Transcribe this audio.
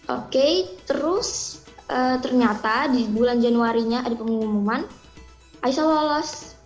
oke terus ternyata di bulan januarinya ada pengumuman aisyah lolos